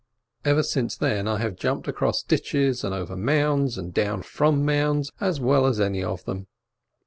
Ever since then I have jumped across ditches, and over mounds, and down from mounds, as well as any of them.